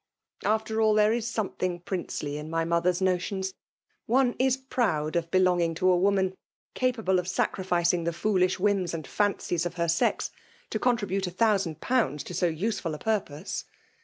after aU, there is something princely in my mother s notions ! One is proud of belonging to a woman capable of sacrificing the foolish whims and fancies of her sex, to contribute a thousand pounds to so use* ful a purpose.